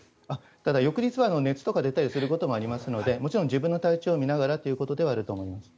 ただ、翌日は熱とか出ることもありますのでもちろん自分の体調を見ながらということはあると思います。